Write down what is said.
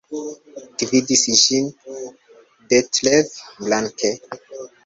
Gvidis ĝin Detlev Blanke.